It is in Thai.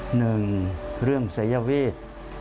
หนึ่งเรื่องสายเวท